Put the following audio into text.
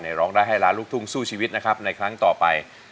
ร้องได้ให้ล้านลูกทุ่งสู้ชีวิตนะครับในครั้งต่อไป